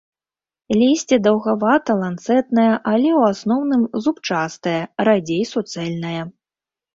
Лісце даўгавата-ланцэтнае, але ў асноўным зубчастае, радзей суцэльнае.